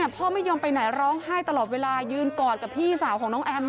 พ่อไม่ยอมไปไหนร้องไห้ตลอดเวลายืนกอดกับพี่สาวของน้องแอม